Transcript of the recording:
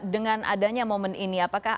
dengan adanya momen ini apakah